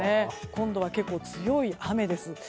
今度は結構、強い雨です。